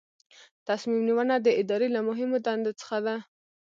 تصمیم نیونه د ادارې له مهمو دندو څخه ده.